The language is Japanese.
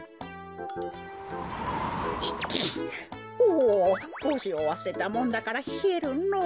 おぉぼうしをわすれたもんだからひえるのぉ。